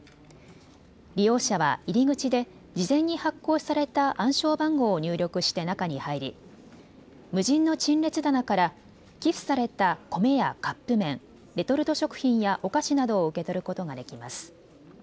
利用者は入り口で事前に発行された暗証番号を入力して中に入り無人の陳列棚から寄付された米やカップ麺、レトルト食品やお菓子などを受け取ることができます。